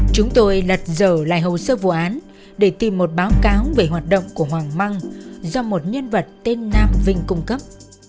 chúng tôi lật dở lại hồ sơ vụ án để tìm một báo cáo về hoạt động của hoàng măng do một nhân vật tên nam vinh cung cấp